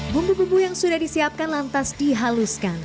bumbu bumbu yang sudah disiapkan lantas dihaluskan